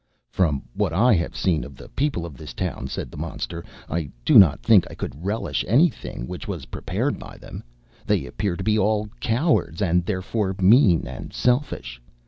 "From what I have seen of the people of this town," said the monster, "I do not think I could relish any thing which was prepared by them. They appear to be all cowards, and, therefore, mean and selfish.